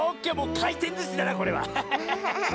かいてんずしだなこれは！